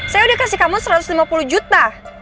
saya udah kasih kamu satu ratus lima puluh juta